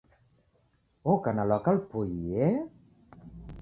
Woka na lwaka lupoie